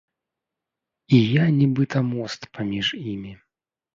І я нібыта мост паміж імі.